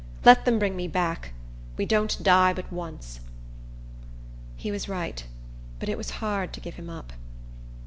Let them bring me back. We don't die but once." He was right; but it was hard to give him up.